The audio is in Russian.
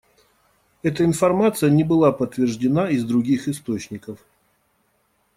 Эта информация не была подтверждена из других источников.